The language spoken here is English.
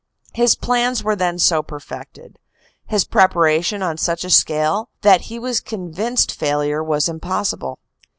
His plans were then so perfected, his preparations on such a scale, that he was convinced failure was impossible.